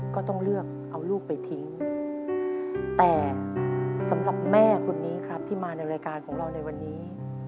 ก็ต้องเลือกเอาลูกไปทิ้งแต่สำหรับแม่คนนี้ครับที่มาในรายการของเราในวันนี้